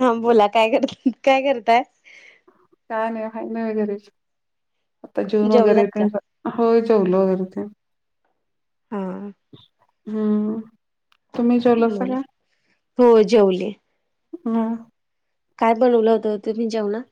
हा, बोला काय कर काय करताय. का नाही फायन [unintelligible] वगैरे आता जून जेवलात वगैरे का होय जेवलो वगैरे तेन. हा, हम्, तुम्ही जेवलसा बोला का? हो जेवले हा, काय बनवलं होतं तुम्ही जेवनात.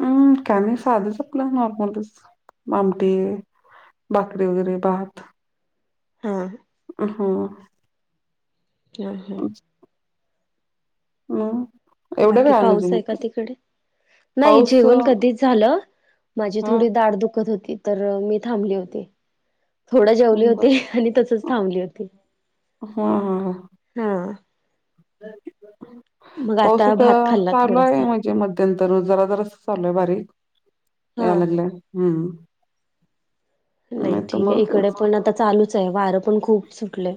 हम्म, का नाही साधच आपलं नॉर्मलच आमटी. भाकरी वगैरे भात. अ, अ हा, ह हा [inaudible] हम, बाकी पाऊस आहे का, तिकडे. नाही पाऊस जेवण अं, कधीच झालं माझी हा थोडी दाड दुखत होती. तर मी थांबली होते थोडा जेवले हम्म होते आणि तसच थांबली होती. हा हा हा, हा मग पाऊस आता भात इथं खाल्ला चालू थोडासा आहे मग. जे मध्यंतर जरा जरा चालूय बारीक हा यायला लागलंय. नाही ठीक आहे मग इकडे पण आता चालूच आहे वारं पण खूप सुटलय.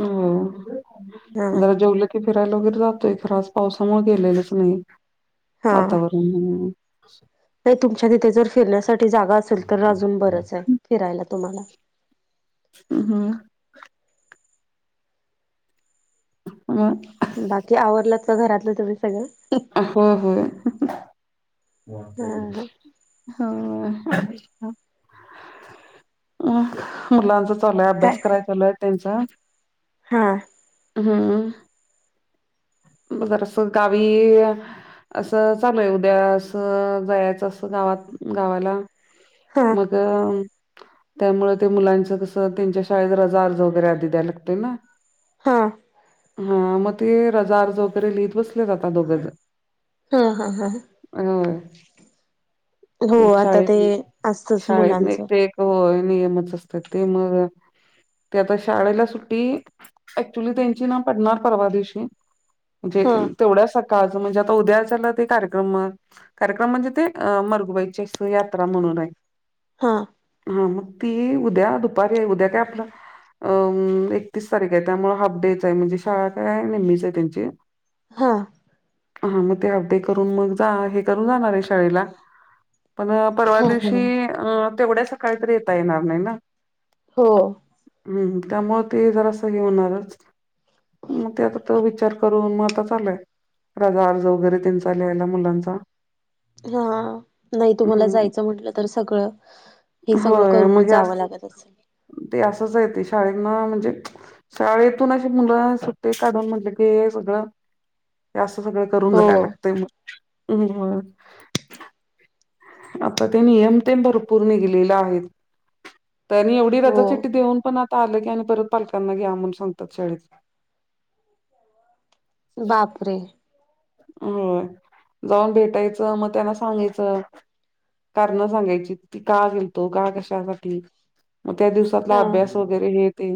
हम, हा जरा जेवल. की, फिरायला वगैरे जातोय खरच पावसामुळे गेलेलंच नाही हा वातावरण. नाही तुमच्या तिथे जर फिरण्यासाठी जागा असेल तर अजून बरंच आहे फिरायला तुम्हाला. हम, ह [inaudible] बाकी आवरलत का, घरातलं तुम्ही सगळं. होय होय. हा होय हा, मुलांचा चालूय काय अभ्यास कराय चालूय त्यांच. हा, हम्म, मग जरा असं गावी. की, असं चालूय उद्या असं जायच अस गावात गावाला. हा मग. त्यामुळे ते मुलांचं कसं त्यांच्या शाळेत रजा अर्ज वगैरे आधी द्या लागतोय ना. हा हा म ते रजा अर्ज वगैरे लिहित बसले आता दोघे ज हा हा हा होय हो ते एक आता ते असतच मुलांच हो नियमच असतात ते मग ते आता शाळेला सुटी ऍक्च्युली त्यांची ना पडणार परवा दिवशी. म्हणजे हा तेवढ्याच सकाळचं म्हणजे आता उद्या झालं ते कार्यक्रम कार्यक्रम म्हणजे ते मरघुबाईची अस यात्रा म्हणून आहे. हा हा म, ती उद्या दुपारी आहे, उद्या काय आपलं अ एकतीस तारीख आहे त्यामुळं हाफ डेच आहे म्हणजे शाळा काय नेहमीच आहे त्यांची. हा हा मग ते हाफ डे करून मग जा, हे करून जाणार आहे शाळेला. पण अ परवा हा दिवशी अ तेवढ्या सकाळी तर येता येणार नाही ना हो हम्म, त्यामुळे ते जरा असं हे होणारच. मग त्याचा तो विचार करून मग आता चालूय रजा अर्ज वगैरे त्यांचा लिहायला मुलांचा. हा, नाही तुम्हाला हं, जायचं म्हटलं तर सगळं हे सगळं होय मग करूनच हे अस जावं लागत असेल. ते असंच आहे ते शाळेतन हणजे शाळेतून, अशी मुलं सुट्टी काढून म्हटलं की सगळ हे असं सगळं करून हो जायला लागतय मग. आता ते नियम तेन भरपूर निघलेल आहेत. त्यांनी एवढी हो रजा चिट्ठी देऊन पण आता आल की, आणि परत पालकांना घ्या म्हणून सांगतात शाळेत. बापरे! होय, जाऊन भेटायचं मग त्यांना सांगायच कारण सांगायचीत की, का गेलतो, का कशासाठी, मग त्या दिवसातला हा अभ्यास वगैरे हे ते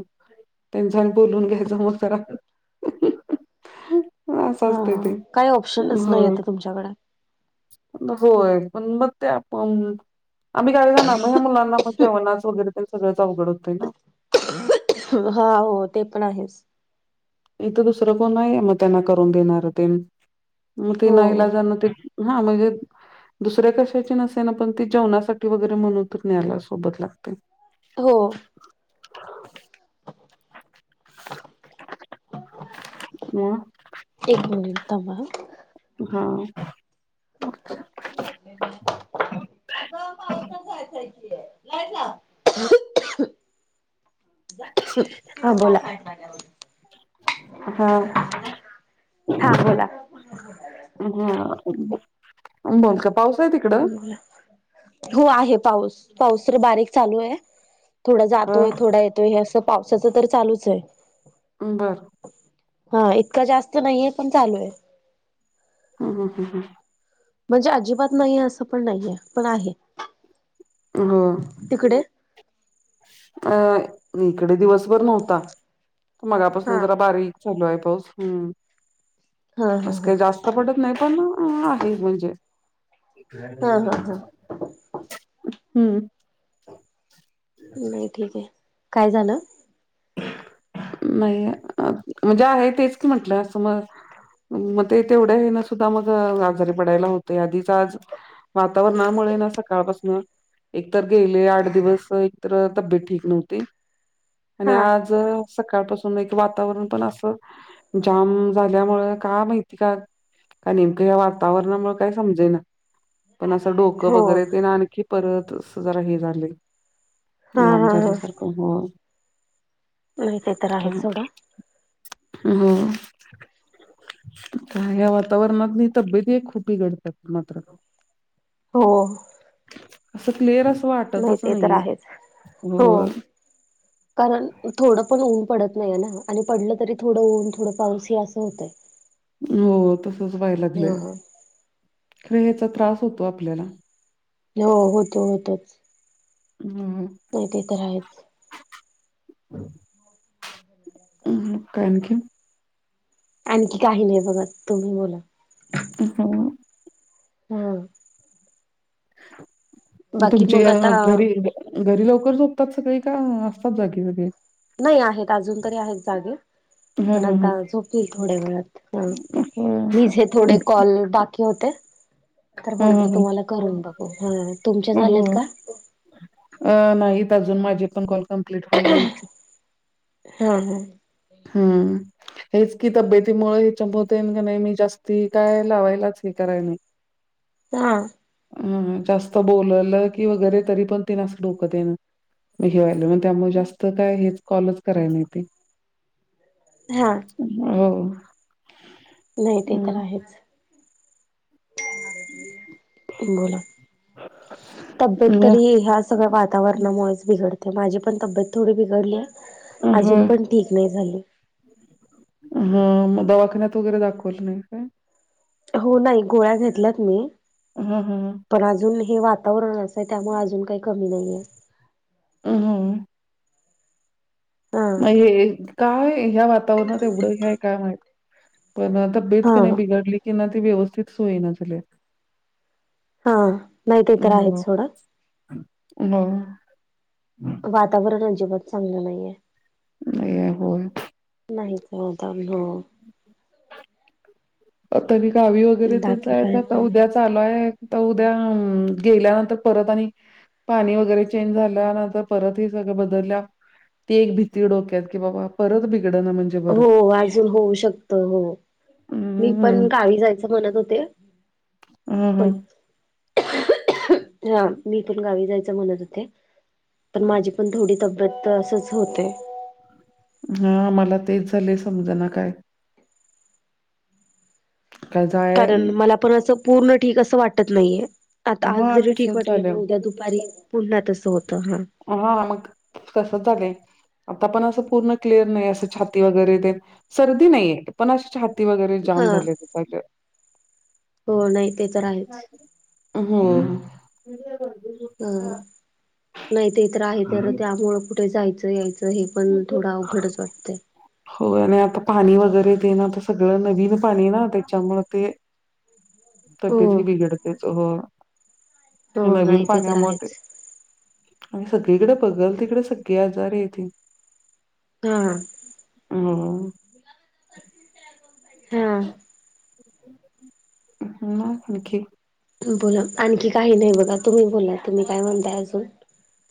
त्यांच्या आणि बोलून घ्यायच मग सगळा [unintelligible] अस असतय ते. काही ऑप्शनच नाही, होय आता तुमच्याकड. होय, पण मग ते आपण, आम्ही काय जाणार नाही ह्या मुलांना मग जेवनाच वगैरे त्याच सगळच अवघड होतय ना. हा हो, ते पण आहेच. इथं दुसरं कोण नाहीये, मग त्यांना करून देणार तेन, मग ते हो नाईलाजन ते हा म्हणजे दुसऱ्या कशाची नसे ना, पण ते जेवणासाठी वगैरे म्हणून तर न्यायला सोबत लागते. हो. म एक मिनिट थांबा हा, हा, मच्छर [unintelligible] आ ग पावसात जायच आहे ते, लाईट लाव. हा बोला हाव. हा बोला ह बोल ग. पाऊसा आहे तिकड? हो आहे पाऊस, पाऊस रे बारीक चालू आहे. थोडा ह जातोय, थोडा येतोय हे असं पावसाच चालूच आहे. बरं. हा इतकं जास्त नाहीये पण चालू आहे. हम्म, हम्म, हम्म. म्हणजे अजिबात नाहीये असं पण नाहीये पण आहे. हम्म. तिकडे. अ इकडे दिवसभर नव्हता हा मगापासून जरा बारीक चालू आहे पाऊस हम्म हा हा असं हा काही जास्त पडत नाही पण अ अ आहे म्हणजे, हा हा हा हम्म. नाही ठीक आहे, काय झालं? नाही म्हणजे आहे तेच की म्हंटलं असं मग मग ते तेवढ्या हे ना सुद्धा मग आजारी पडायला होते आधीच आज वातावरणा मुळे ना सकाळपासन एक तर गेले आठ दिवस एकतर तब्येत ठीक नव्हती. आणि हा आज सकाळपासून एक वातावरण पण असं जाम झाल्यामुळे काय माहीती काय का नेमकं या वातावरणामुळे काय समजेना पण असं डोकं हो वगैरे ते ना आणखी परत अस जरा हे झाले हा जाम हा हा झालेसारखं हो. नाही ते तर आहे सोडा. हम्म. का या वातावरणात तब्येत खूप बिघडते मात्र. हो. असं क्लिअर असं नाही वाटतच ते तर नाहीये, आहेच हो होय. कारण थोडं पण ऊन पडत नाही ना आणि पडलं तरी थोडं ऊन थोडं पाऊस हे असं होतय हो तसच हा ह. त्रिहेचा त्रास होतोय आपल्याला. हो होतो होतो. हम्म. नाहीती तर आहेच. हम्म, काय आनखी? आणखी काही नाही बघा तुम्ही बला. हम्म. हम्म.. बाकी तुमची मग आता [unintelligible] घरी. घरी लवकर झोपतात सगळी का असतात जागी वगैरे? नाही आहेत अजून तरी आहेत जागे. हां, पण हां, आता हां. झोपतील थोड्या वेळात होय. मीझे थोडे कॉल होते तर हां, म्हंटलं हां, हां. तुम्हाला करून बघू, तुमचे झालेत हो. का? अ नाहीत अजून माझी पण कॉल कम्प्लीट वय नाही. हा हा. हं. हेच की तब्येतीमुळे हे चंपवतेन का नाही, मी जास्ती काय लावायलाच हे कराय नाही. हा. ह ह जास्त बोललं की वगैरे तरी पण ते अस डोक तेन मग हे व्हाल, मग त्यामुळे जास्त काय हेच कॉलच कराय नाही ते. हा. हं. नाही ते तर आहेच. बोला, तब्येत मग बरी आहे आज. सगळ वातावरणामुळेच बिघडते. माझी पण तबेत थोडी बिघडलीय अजून होय. पण ठीक नाही झाली. ह मग दवाखान्यात वगैरे दाखवल नाही का. हो नाही गोळ्या घेतल्यात मी. हा हा. पण अजून हे वातावरण असं आहे, त्यामुळे अजून काही कमी नाही. हं हं. हा नाही हे, काय ह्या वातावरणात एवढं हे हाय काय माहित. प्रत्येक यत हा बिघडली की नाही ती व्यवस्थितच होईना झालय. हा नाही ते तर आहेत सोडा. बघु. वातावरण अजिबात चांगलं नाही. लय हाय हो. नाही तर काय हो. आता मी गावी वगैरे बाकी जायच, काय आता म्हण उद्याच. चालूय तर उद्या गेल्यानंतर परत आणि पाणी वगैरे चेंज झाल्यानंतर परत हे सगळं बदलल् ते एक भीती डोक्यात बाबा, परत बिघडल म्हणजे हो बरं. अजून होऊ शकत हो. मी पण हम्म, गावी जायचं म्हणत होते, पण हम्म, ह मी पण गावी जायच म्हणत होते, पण माझी पण थोडी तबेयत परत असंच होते. हा मला तेच झालय समजना काय. काय जाय कारण मला पण असं पूर्ण ठीक असं वाटत नाहीये. आता आज हां जरी ठीक तसंच वाटलं ना झालंय. उद्या दुपारी पुन्हा तसं होतं. हा तसच झालय. आता पण असं पूर्ण क्लिअर नाही असं, छाती वगैरे तेन सर्दी नाहीये, पण अशी छाती वगैरे जाम हा झालय म्हणजे हो नाही ते तर आहेच हं. [unintelligible] ह हो नाही ते तर आहे, तर त्यामुळं कुठे जायचं यायचं तर हे पण थोडं अवघडच वाटते. हो आणि आता पाणी वगैरे ते ना तर सगळं नवीन पाणी ना त्याच्यामुळ‌ ते [inaudible] तब्येत ही बिघडतेच हो, हो नवीन नाही तर पाण्यामुळ ते आहेच आणि सगळीकड बगल तिकड, सगळी आजारी हायत. हा. [unintelligible] हा. मग आणखी? बोला. आणखी काही नाही बघा. तुम्ही बोला, तुम्ही काय म्हणताय अजून?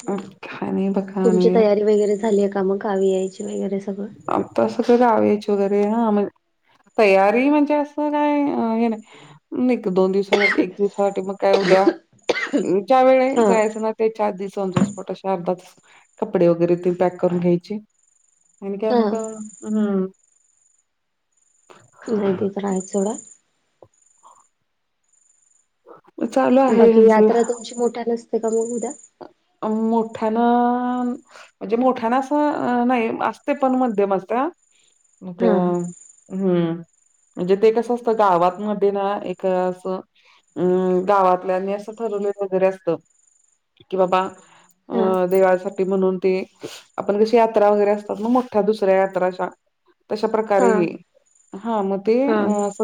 काय नाही बग. तुमची तयारी वगैरे झाली आहे का? मग गावी यायची वगैरे सग हा आता तसं गावी यायची वगैरे हा म्हंजे तयारी म्हणजे असं काय हे नाही. मग दोन दिवसासाठी, एक दिवसासाठी मग काय उद्या त्या वेळे हा जायचं ना ते चार दिवसा ऑन दी स्पॉट असे, अर्धा तास कपडे वगैरे तेन पॅक करून घ्यायची. आणि काय हा मक ह. नाही तेे तर हायच सोडा. चालू आहे बाकी, ह्यांचं. यात्रा तुमची मोठ्यान असते का म उद्या? अ मोठ्यान म्हणजे मोठ्यान अस नाही. असते पण मध्यम असत्या मग. हा हुं., म्हणजे ते कसं असतं, गावात मधे ना एक असं ऊं. गावातल्या आणि असं ठरवले वगैरे असतं कि बाबा हा अ देवासाठी ठि म्हणून ते, आपण कशी यात्रा वगैरे असतात, मोठ्या दुसऱ्या यात्राच्या तश हा प्रकारे हे, हा मग ते. हा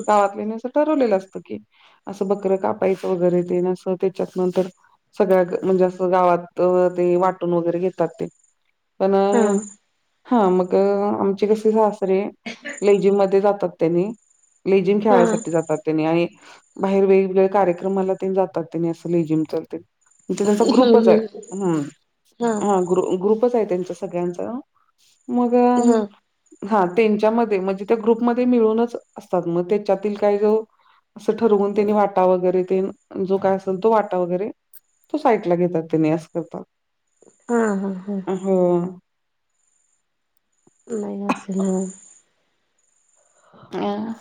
गावातलेनी असं ठरवलेलं असतं की, असं बकरं कापायचं वगैरे तेन असं त्याच्यात नंतर सगळ्या ग म्हणजे अस. गावात ते वाटून वगैरे घेतात ते, पण हा हा मग, आमची कसे सासरे लेजीमध्ये जातात त्यांनी लेजिम हा खेळायसाठी जातात त्यांनी आणि बाहेर वेगवेगळ्या कार्यक्रमाला तेन जातात त्यांनी, अस लेजिमसाठी म्हणजे त्यांचा ग्रुप हम्म खूपच हाय. हम्म हा हा. ग्रुपच हाय त्यांच सगळ्यांच नव मग हा हा तेनच्यामध्ये म्हणजे त्या ग्रुपमध्ये मिळूनच असतात, मग तेच्यातील काही जो असं ठरवून त्यांनी वाटा वगैरे तेन, जो काय असेल तो वाटा वगैरे तो साईटला घेतात. तेनी अस करतात. हा हा हा. हुं. नाही असल ना. हा.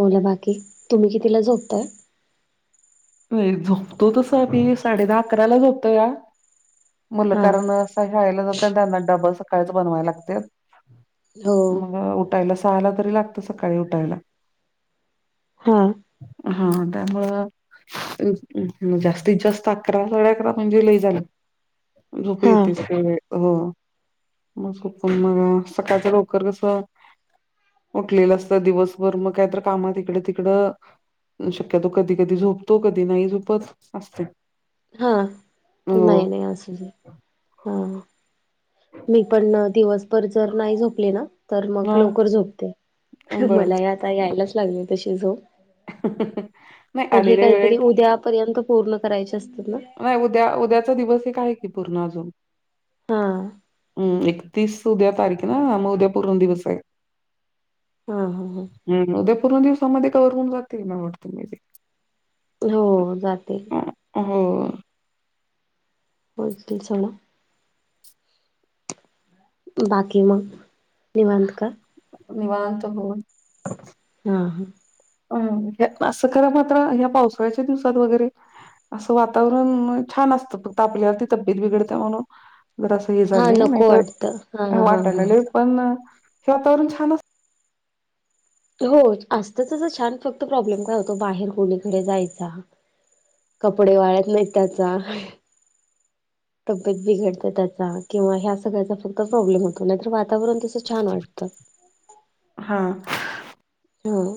मुल बाकी, तुम्ही कितीला झोपताय? नाही झोपतो तस मी, साडे दहा-अकराला झोपतो या. मुलं हा कारण अस सकाळी शाळेला जात्यात, त्यांना डबा सकाळीच बनवायला लागत्यात, हो मग उठ ठायला सहाला तरी, लागत सकाळी उठायला. हा. हा त्यामुळं. हू हू. जास्तीत जास्त अकरा, साडे अकरा म्हणजे लई झालं. झोप हा येतीच त्यावेळी. हो, म झोपून मग अ सकाळचं लवकर कसं उटलेलं असतं दिवसभर मग कायत काम तिकडं, तिकडं, शक्यतो कधी, कधी झोपतो. कधी नाही झोपत असते. हा हो नाही नाही आसू दे हा.. मी पण दिवसभर जर नाही झोपले ना, तर ह मग लवकर झोपते. बर मला आता यायलाच लागले तशी झोप. नाही पण हे आलेल्या काहीतरी वेळेत उद्या पर्यंत पूर्ण करायचे असतात ना, नाही उद्या उद्याचा दिवस एक का आहे की पूर्ण अजून. हा.. हम् एकतीस उद्या तारखे ना म उद्या पूर्ण दिवस आहे. हा हा.. हम उद्या पूर्ण दिवसामध्ये कव्हर होऊन जातील मला वाटते मी ते, हो जातील. हो.. [inaudible] बाकी मग निवांत का? निवांत हो.. हा.. हा.. अ असं खरा मात्र ह्या पावसाळ्याच्या दिवसात वगैरे, असं वातावरण छान असतं. तापल्यावर ती तब्येत बिघडते म्हणून जर झा हा नको वाटतं हा नाही हा हा वाटले पण हे वातावरण छान असत. हो असत त छान फक्त प्रॉब्लेम काय होतो बाहेर कोणीकडे जायचा. कपडे वाळत नाहीत त्याचा. तब्येत बिघडते त्याचा किंवा ह्या सगळ्याचा फक्त प्रॉब्लेम होतो नाहीतर वातावरण तस हा.. हो..